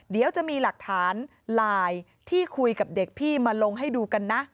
เดี๋ยวจะมีหลักฐานไลน์ที่คุยกับเด็กพี่มาลงให้ดูกันนะ